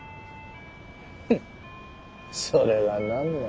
フンそれが何の。